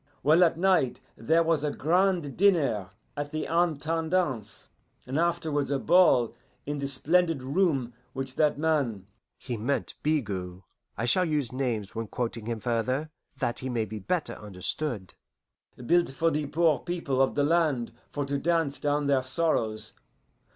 Well, at night there was a grand dinner at the Intendance, and afterwards a ball in the splendid room which that man" (he meant Bigot: I shall use names when quoting him further, that he may be better understood) "built for the poor people of the land for to dance down their sorrows.